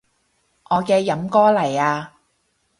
我嘅飲歌嚟啊